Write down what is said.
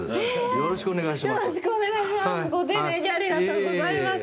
よろしくお願いします。